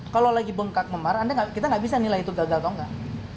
kalau lagi bengkak memar kita nggak bisa nilai itu gagal atau enggak